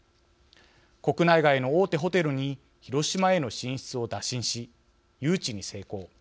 国内外の大手ホテルに広島への進出を打診し誘致に成功。